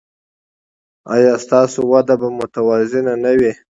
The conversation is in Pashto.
ایا ستاسو وده به متوازنه نه وي؟